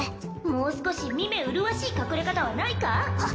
もう少し見目麗しい隠れ方はないか？